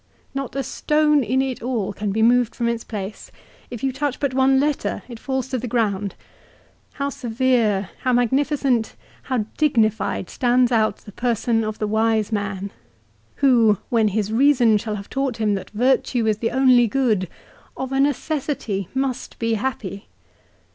Not a stone in it all can be moved from its place. If you touch but one letter it falls to the ground. How severe, how magnificent, how dignified, stands out the person of the wise man ; who when his reason shall have taught him that virtue is the only good, of a necessity must be happy